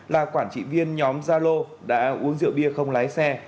là quản trị viên nhóm gia lô đã uống rượu bia không lái xe